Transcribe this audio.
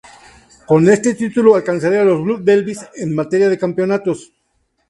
Con este título alcanzaría a los Blue Devils en materia de campeonatos.